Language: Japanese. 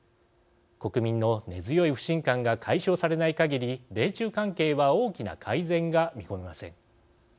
国民の根強い不信感が解消されないかぎり米中関係は大きな改善が見込めません。